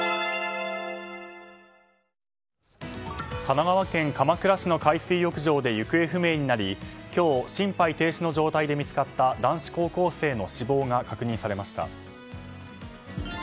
神奈川県鎌倉市の海水浴場で行方不明になり今日、心肺停止の状態で見つかった男子高校生の死亡が確認されました。